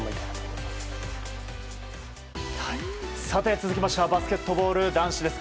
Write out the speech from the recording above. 続きましてはバスケットボール男子です。